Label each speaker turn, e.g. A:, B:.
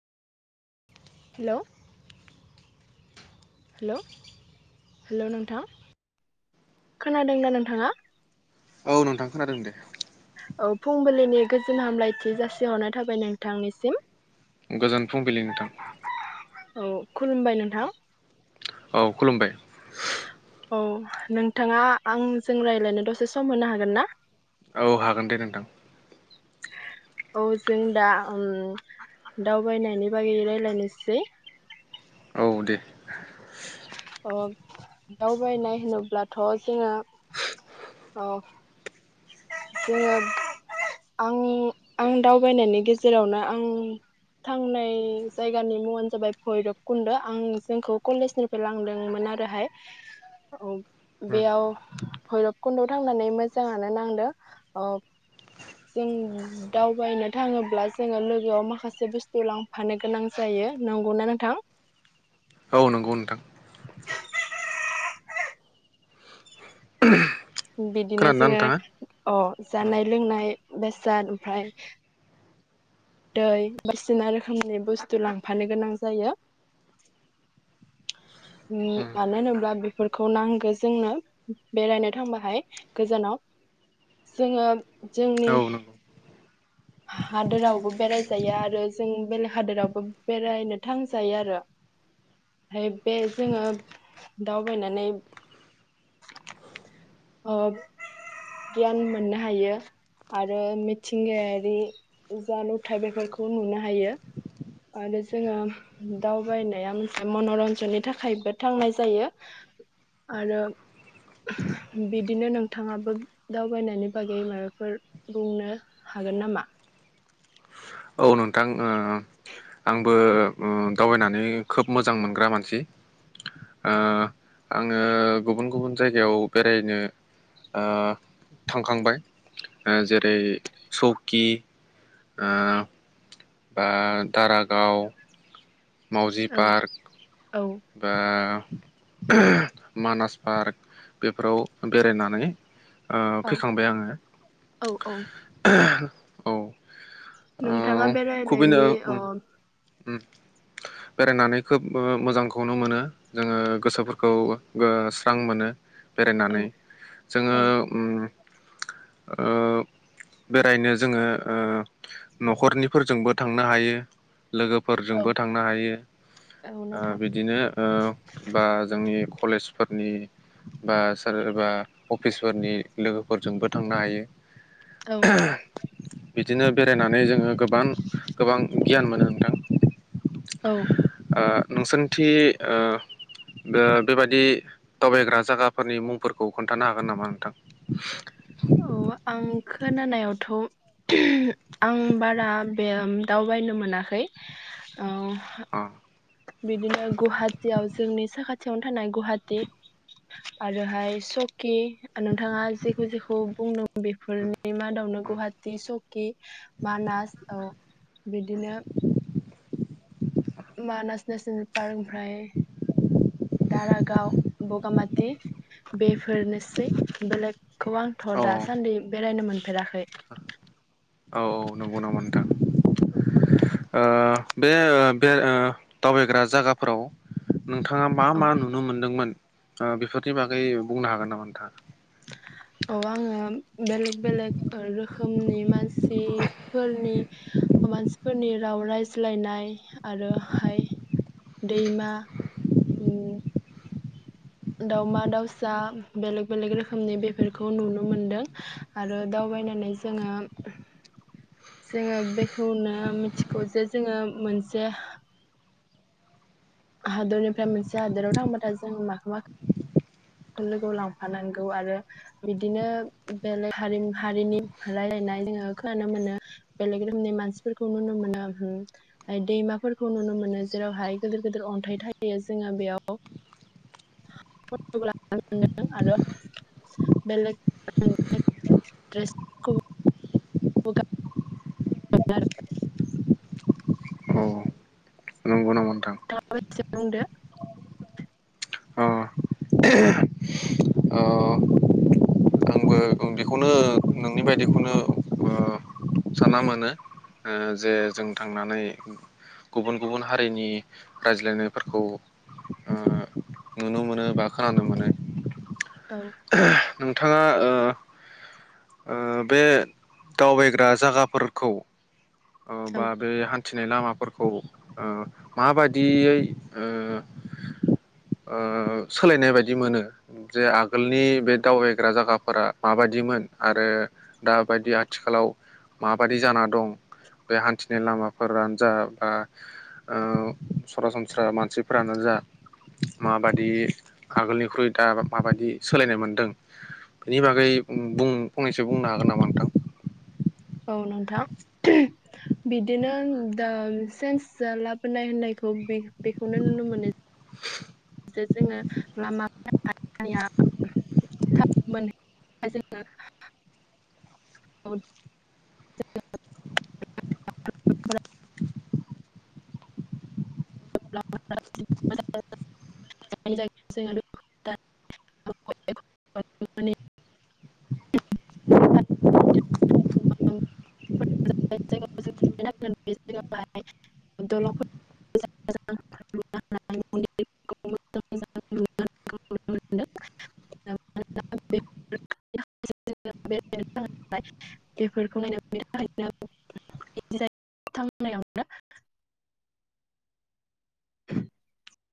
A: हेल' hello hello नोंथां खोनादोंना नोंथाङा?
B: औ नोंथां खोनादों दे।
A: औ फुंबिलिनि गोजोन हामलायथि जासिहरनो थाबाय नोंथांनिसिम।
B: गोजोन फुंबिलि नोंथां।
A: औ खुलुमबाय नोंथां।
B: औ खुलुमबाय।
A: औ नोंथाङा आंजों रायलायनो दसे सम होनो हागोन ना?
B: औ हागोन दे नोंथां।
A: औ जों दा उम दावबायनायनि बागै रायलायनोसै।
B: औ दे।
A: अ दावबायनाय होनोब्लाथ' जोङो औ। जोङो आंनि आं दावबायनायनि गेजेरावनो आं थांनाय जायगानि मुङानो जाबाय भैरबकुन्द' आं जोंखौ कलेजनिफ्राय लांदोंमोन आरोहाय औ बेयाव भैरबकुन्दआव थांनानै मोजाङानो नांदों। ओप जों दावबायनो थाङोब्ला जोङो लोगोआव माखासे बुस्थु लांफानो गोनां जायो नंगौना नोंथां?
B: औ नंगौ नोंथां।
A: बिदिनो
B: खोनादोंना
A: जोङो
B: नोंथाङा
A: अ जानाय लोंनाय बेसाद ओमफाय दै बायदिसिना रोखोमनि बुस्थु लांफानो गोनां जायो उम मानो होनोब्ला बेफोरखौ नांगो जोंनो बेरायनो थांबाहाय गोजानाव जोङो जोंनि
B: औ नंगौ
A: हादोरावबो बेरायजायो आरो जों बेलेग हादोरावबो बेरायनो थांजायो आरो ओमफाय बे जोङो दावबायनानै ओप गियान मोननो हायो आरो मिथिंगायारि जा नुथाय बेफोरखौ नुनो हायो आरो जोङो दावबायनाया मोनसे मनरन्जननि थाखायबो थांनाय जायो आरो बिदिनो नोंथाङाबो दावबायनायनि बागै मायबाफोर बुंनो हागोन नामा
B: औ नोंथां ओ आंबो ओ दावबायनानै खोब मोजां मोनग्रा मानसि ओ आङो गुबुन गुबुन जायगायाव बेरायनो ओ थांखांबाय ओ जेरै चौकि ओ बा दारागाव मावजि
A: औ
B: पार्क
A: औ
B: बा मानास पार्क बेफोराव बेरायनानै ओ
A: औ
B: फैखांबाय आङो
A: औ औ
B: ओ औ
A: नोंथ थाङा
B: खुबैनो
A: बेरायनायनि
B: उम
A: ओ
B: उम बेरायनानै खोब ओ मोजांखौनो मोनो जोङो गोसोफोरखौ गो स्रां मोनो बेरायनानै
A: औ
B: जोङो
A: औ
B: उम ओ बेरायनो जोङो ओ न'खरनिफ फोरजोंबो थांनो हायो
A: औ
B: लोगोफोरजोंबो थांनो हायो
A: औ
B: ओ
A: नोंथां
B: बिदिनो ओ बा जोंनि ख कलेजफोरनि बा सोरबा अफिसफोरनि लोगोफोरजोंबो थांनो हायो
A: औ
B: बिदिनो बेरायनानै जोङो गोबां गोबां गियान मोनो नोंथां
A: औ
B: ओ नोंसोरनिथि ओ बे बेबादि दावबायग्रा जागाफोरनि मुंफोरखौ खोन्थानो हागोन नामा नोंथां
A: औ आं खोनानायावथ थ' आं बारा बेयाम दावबायनो मोनाखै औ
B: अ'
A: बिदिनो गुवाहाटियाव जोंनि साखाथियावनो थानाय गुवाहाटि आरोहाय सकि नोंथाङा जेखौ जेखौ बुंदों बेफोरनि मादावनो गुवाहाटि सकि मानास औ बिदिनो मानास नेचनेल पार्क फ्राय दारागाव बगामाथ दि बेफ फोरनोसै बेलेगखौ आंथ'
B: औ
A: दासान्दि बेरायनो मोनथ
B: औ औ नंगौ नामा नोंथां ओ बे ओ बे ओ दावबायग्रा जागाफोराव नोंथाङा मा
A: औ
B: मा नुनो मोनदोंमोन ओ बेफोरनि बागै बुंनो हागोन नामा नोंथांआ।
A: औ आङो बेलेग बेलेग रोखोमनि मानसिफोरनि ओ मानसिफोरनि राव रायज्लायनाय आरो हाय दैमा नु दावमा दाउसा बेलेग बेलेग रोखोमनि बेफोरखौ नुनो मोनदों आरो दावबायनानै जोङो जोङो बेखौनो मिथिगौ जे जोङो मोनसे हादरनिफ्राय मोनसे हादोराव थांबाथाय जों माखो मा लोगोआव लांफानांगौ आरो बिदिनो बेलेग हारि हारिनि रायलायनाय जोङो खोनानो मोनो। बेलेग रोखोमनि मानसिफोरखौ नुनो मोनो दैमाफोरखौ नुनो मोनो जेरावहाय गोदिर गोदिर अन्थाइ थायो जोङो बेयाव [unintelligible] [unintelligible] [inaudible]
B: औ नंगौ नामा नोंथां
A: [inaudible] बुंदो।
B: अ अ आंबो बेखौनो नोंनि बायदिखौनो ओ सानना मोनो ओ जे जों थांनानै गुबुन गुबुन हारिनि रायज्लायनायफोरखौ ओ नुनो मोनो बा खोनानो मोनो।
A: औ
B: नोंथाङा ओ ओ बे दावबायग्रा जागाफोरखौ ओ
A: औ
B: बा बे हान्थिनाय लामाफोर खौ ओ माबादियै ओ ओ सोलायनाय बायदि मोनो जे आगोलनि बे दावबायग्रा जागाफोरा माबादिमोन आरो दाबायदि आथिखालाव माबायदि जाना दं। बे हान्थिनाय लामाफोरानो जा बा ओ सरासनस्रा मानसिफोरानो जा माबादि आगोलनिख्रुइ दा माबायदि सोलायनाय मोनदों बेनि बागै बुं फंनैसो बुंनो हागोन नामा नोंथां।
A: औ नोंथां बिदिनो दा सेन्स जा लाबोनाय होननायखौ बे बेखौनो नुनो मोनो जे जोङो [inaudible] [unintelligible] [inaudible] [unintelligible] [unintelligible] [inaudible]